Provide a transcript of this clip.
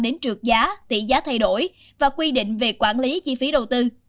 đến trượt giá tỷ giá thay đổi và quy định về quản lý chi phí đầu tư